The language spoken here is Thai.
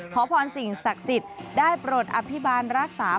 ขอพรสิ่งศักดิ์สิทธิ์ได้โปรดอภิบาลรักษา